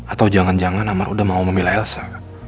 atau jangan jangan amar udah mau memilih elsa